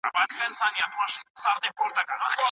بهرني سفیران له استازو سره څه خبري کوي؟